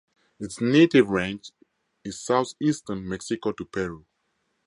Its native range is Southeastern Mexico to Peru.